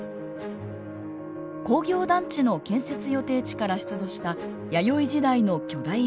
工業団地の建設予定地から出土した弥生時代の巨大遺跡。